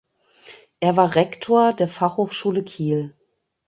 Er war Rektor der Fachhochschule Kiel.